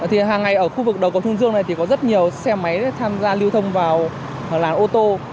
hàng ngày ở khu vực đầu cầu thương dương này thì có rất nhiều xe máy tham gia lưu thông vào làn ô tô